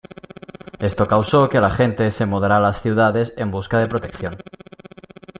Esto causó que la gente se mudara a las ciudades en busca de protección.